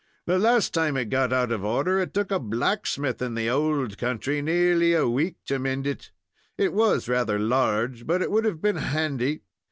The last time it got out of order, it took a blacksmith in the owld country nearly a week to mend it. It was rather large, but it would have been handy.